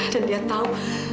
dan dia tahu